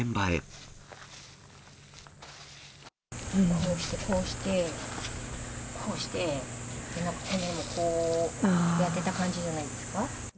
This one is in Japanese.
こうしてこうして、こうして、なんかこの辺もこう、やってた感じじゃないですか。